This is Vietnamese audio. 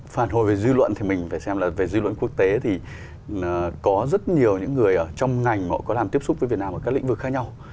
phản hồi về dư luận thì mình phải xem là về dư luận quốc tế thì có rất nhiều những người ở trong ngành họ có làm tiếp xúc với việt nam ở các lĩnh vực khác nhau